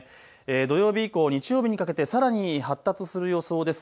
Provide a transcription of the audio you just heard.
土曜日以降、日曜日にかけてさらに発達する予想です。